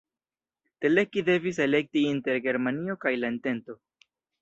Teleki devis elekti inter Germanio kaj la entento.